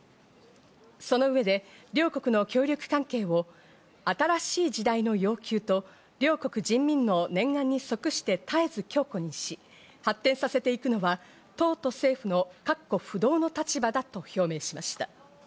その上で両国の協力関係を新しい時代の要求と、両国人民の念願に即して絶えず強固にし、発展させていくのは党と政府の確固不動の立場だと表明しました。